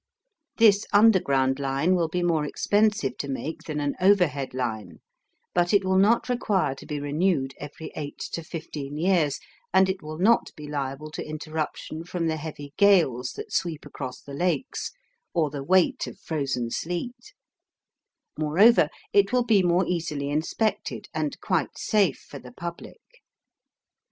This underground line will be more expensive to make than an overhead line, but it will not require to be renewed every eight to fifteen years, and it will not be liable to interruption from the heavy gales that sweep across the lakes, or the weight of frozen sleet: moreover, it will be more easily inspected, and quite safe for the public.